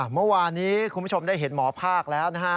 เมื่อวานนี้คุณผู้ชมได้เห็นหมอภาคแล้วนะฮะ